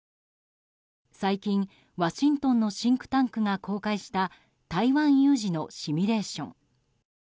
最近、ワシントンのシンクタンクが公開した台湾有事のシミュレーション。